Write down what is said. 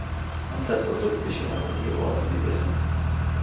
آن تصادف به شنوایی او آسیب رساند.